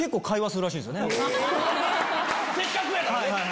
せっかくやからね。